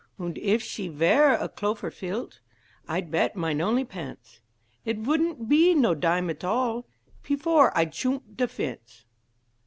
Und if she vere a clofer fieldt, I'd bet mine only pence, It vouldn't pe no dime at all Pefore I'd shoomp de fence.